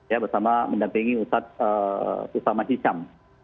ya bersama mendampingi ustadz usama hisham